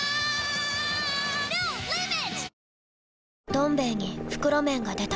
「どん兵衛」に袋麺が出た